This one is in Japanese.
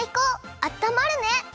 あったまるね！